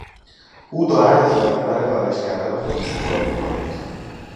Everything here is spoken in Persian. او دارد از آینه برای آرایش کردن خود استفاده میکند.